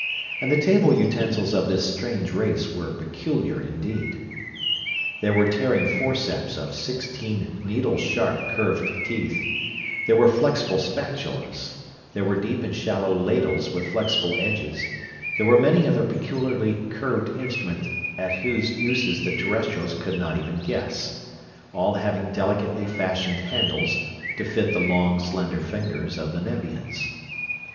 And the table utensils of this strange race were peculiar indeed. There were tearing forceps of sixteen needle sharp curved teeth; there were flexible spatulas; there were deep and shallow ladles with flexible edges; there were many other peculiarly curved instruments at whose uses the Terrestrials could no even guess; all having delicately fashioned handles to fit the long, slender fingers of the Nevians.